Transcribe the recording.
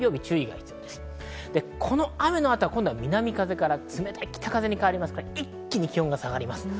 この雨の後は今度は南風から冷たい北風に変わり、一気に気温が下がります。